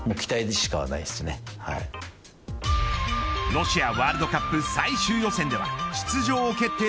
ロシアワールドカップ最終予選では出場を決定